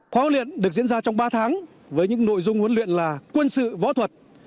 khóa luyện được diễn ra trong ba tháng với những nội dung huấn luyện là quân sự võ thuật